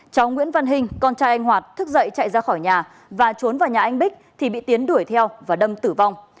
cháu nguyễn văn hình con trai anh hoạt thức dậy chạy ra khỏi nhà và trốn vào nhà anh bích thì bị tiến đuổi theo và đâm tử vong